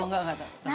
oh enggak enggak